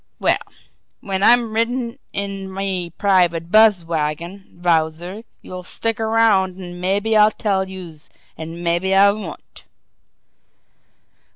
Well, when I'm ridin' in me private buzz wagon, Wowzer, youse stick around an' mabbe I'll tell youse an' mabbe I won't!"